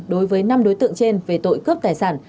đối với năm đối tượng trên về tội cướp tài sản